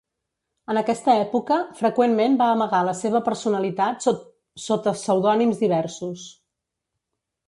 En aquesta època, freqüentment va amagar la seva personalitat sota pseudònims diversos.